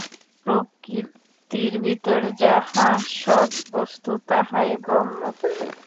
প্রকৃতির ভিতর যাহা সৎবস্তু, তাহাই ব্রহ্ম।